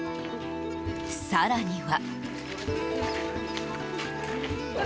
更には。